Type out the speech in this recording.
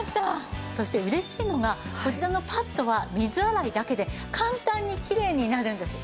そして嬉しいのがこちらのパッドは水洗いだけで簡単にきれいになるんです。